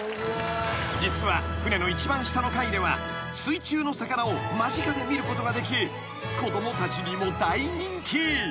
［実は船の一番下の階では水中の魚を間近で見ることができ子供たちにも大人気］